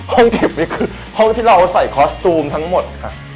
เก็บนี่คือห้องที่เราใส่คอสตูมทั้งหมดค่ะ